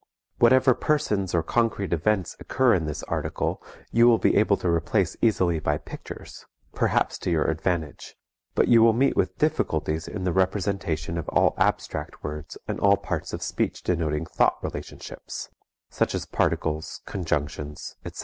Whatever persons or concrete events occur in this article you will be able to replace easily by pictures, perhaps to your advantage, but you will meet with difficulties in the representation of all abstract words and all parts of speech denoting thought relationships, such as particles, conjunctions, etc.